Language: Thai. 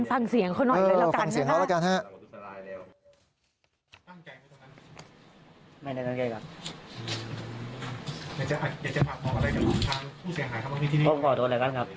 อันนั้นฟังเสียงเขาหน่อยแล้วกันนะฮะ